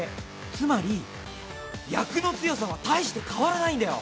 つまり役の強さは大して変わらないんだよ。